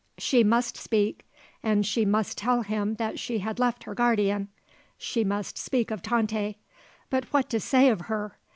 She must speak and she must tell him that she had left her guardian. She must speak of Tante. But what to say of her?